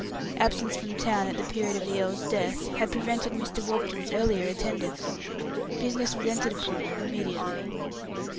Absence from town at the period of the earl's death had prevented Mr. Warburton's earlier attendance. Business was entered upon immediately.